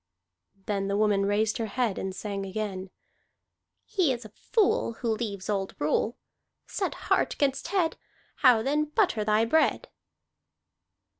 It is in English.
Then the woman raised her head and sang again: "He is a fool Who leaves old rule. Set heart 'gainst head. How then butter thy bread?"